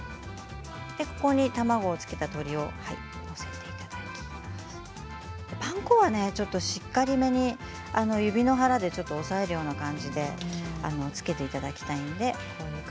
卵をつけて鶏を載せていただいてパン粉はしっかりめに指の腹で押さえるような感じでつけていただきたいんですね。